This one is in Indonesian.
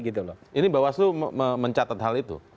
ini bawaslu mencatat hal itu